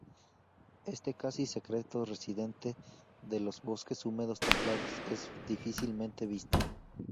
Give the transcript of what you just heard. Este casi secreto residente de los bosques húmedos templados es difícilmente visto.